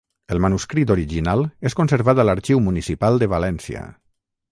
El manuscrit original és conservat a l'Arxiu Municipal de València.